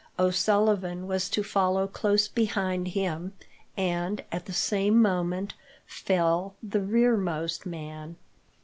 O'Sullivan was to follow close behind him and, at the same moment, fell the rearmost man.